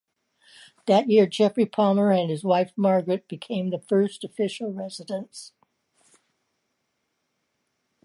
That year Geoffrey Palmer and his wife, Margaret, became its first official residents.